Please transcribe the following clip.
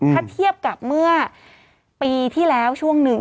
ถ้าเทียบกับเมื่อปีที่แล้วช่วงหนึ่ง